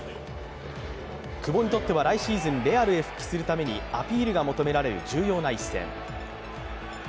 久保にとっては来シーズンレアルに復帰するためにアピールが求められる重要な一戦。